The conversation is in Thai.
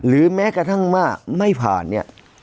แม้กระทั่งว่าไม่ผ่านเนี่ย